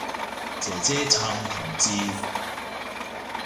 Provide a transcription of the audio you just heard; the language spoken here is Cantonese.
姐姐撐同志